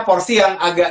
porsi yang agak